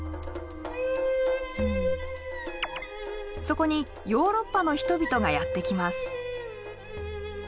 そこにヨーロッパの人々がやって来ます。